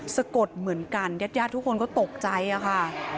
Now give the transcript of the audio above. สะกดเหมือนกันยัดทุกคนก็ตกใจค่ะ